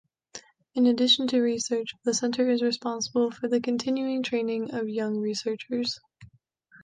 In addition to research, the Center is responsible for the continuing training of young researchers.